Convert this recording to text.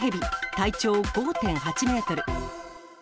体長５．８メートル。